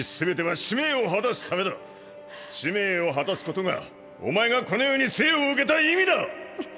使命を果たすことがお前がこの世に生を享けた意味だ！